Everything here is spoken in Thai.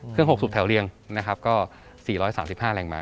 เครื่อง๖สูบแถวเรียงนะครับก็๔๓๕แรงม้า